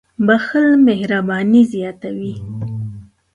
• بښل مهرباني زیاتوي.